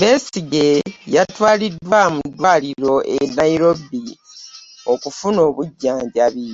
Besigye yatwaliddwa mu ddwaliro e Nairobi okufuna obujjanjabi